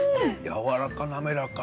やわらか滑らか。